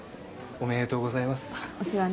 ありがとうございます。